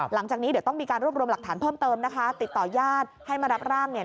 หลังจากนี้เดี๋ยวต้องมีการรวบรวมหลักฐานเพิ่มเติมนะคะติดต่อญาติให้มารับร่างเนี่ย